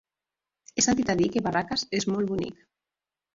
He sentit a dir que Barraques és molt bonic.